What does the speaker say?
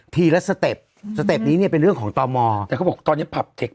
ทีละสเต็ปสเต็ปนี้เนี้ยเป็นเรื่องของตามแต่เขาบอกตอนนี้พับที่